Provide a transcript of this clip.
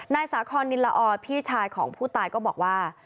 นายสาคอนนินละออพี่ชายของผู้ตายก็บอกว่า